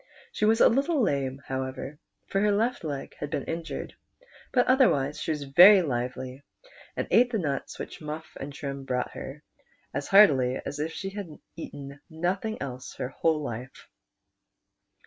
She was a little lame, however, for her left leg had been injured, but otherwise she was ver\' liveh', and ate the nuts which Mufif and Trim brought her, as heartily as if she had eaten nothing else all her life.